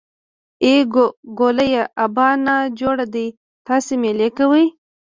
ای ګوليه ابا نا جوړه دی تاسې مېلې کوئ.